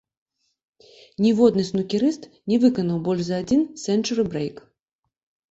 Ніводны снукерыст не выканаў больш за адзін сэнчуры-брэйк.